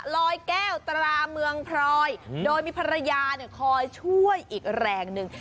ลอยแก้วตราเมืองพลอยโดยมีภรรยาเนี่ยคอยช่วยอีกแรงหนึ่ง